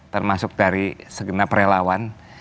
termasuk dari segena perelawan